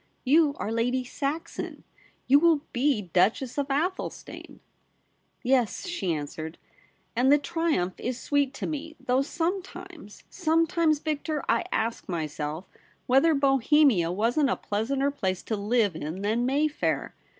You are Lady Saxon. You will be Duchess of Athelstane.' ' Yes,' she answered ;' and the triumph is sweet to me, though sometimes — sometimes, Victor, I ask myself whether Bohemia wasn't a pleasanter place to live in than Mayfair.